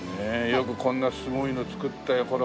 よくこんなすごいの造ったよ。